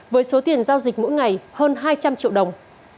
với số tiền giao dịch mỗi ngày hơn hai trăm linh triệu đồng